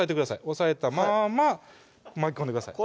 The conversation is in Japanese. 押さえたまま巻き込んでください